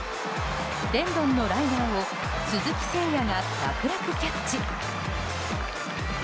レンドンのライナーを鈴木誠也が楽々キャッチ。